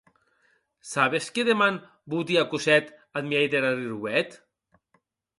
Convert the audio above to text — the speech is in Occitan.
Sabes que deman boti a Cosette ath miei der arriuet?